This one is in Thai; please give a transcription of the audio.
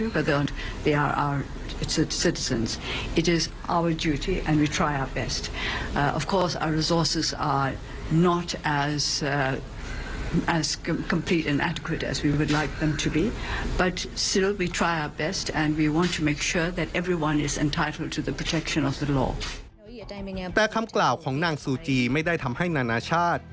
เพราะว่าพวกนางซูจีไม่ได้ทำให้นานาชาติ